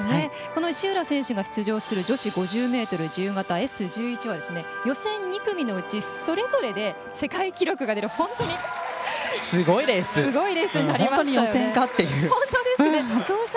石浦選手が出場する５０ｍ女子自由形Ｓ１１は、予選２組のうちそれぞれで世界記録が出るすごいレースになりました。